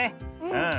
うん。